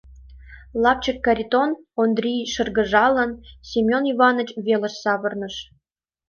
Лапчык Каритон, — Ондрий, шыргыжалын, Семён Иваныч велыш савырныш.